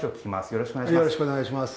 よろしくお願いします。